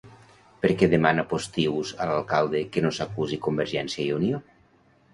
Per què demana Postius a l'alcalde que no s'acusi Convergiència i Unió?